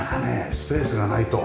スペースがないと。